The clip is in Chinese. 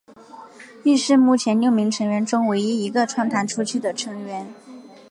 亦是目前六名成员中唯一一个创团初期的成员。